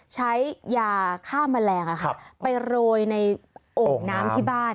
ใช้ยาฆ่าแมลงไปโรยในโอ่งน้ำที่บ้าน